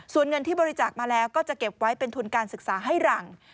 ส่วนเงินที่บริจาคมาแล้วก็จะเก็บไว้เป็นทุนการศึกษาให้หลัง